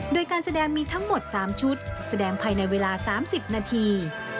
โดยการแสดงมีทั้งหมด๓ชุดแสดงภายในเวลา๓๐นาที